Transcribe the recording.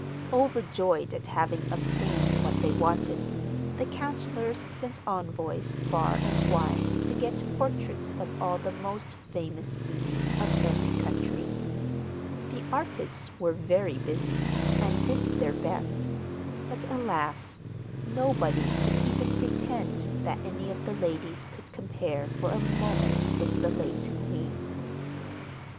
Overjoyed at having obtained what they wanted, the counsellors sent envoys far and wide to get portraits of all the most famous beauties of every country. The artists were very busy and did their best, but, alas! nobody could even pretend that any of the ladies could compare for a moment with the late queen.